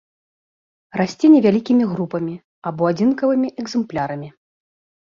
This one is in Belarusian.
Расце невялікімі групамі або адзінкавымі экзэмплярамі.